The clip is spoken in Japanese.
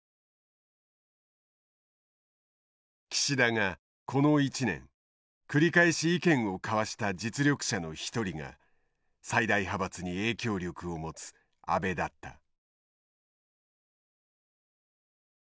岸田がこの１年繰り返し意見を交わした実力者の一人が最大派閥に影響力を持つ安倍だった。